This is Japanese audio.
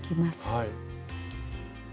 はい。